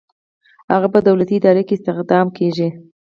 هغه په دولتي اداره کې استخدام کیږي.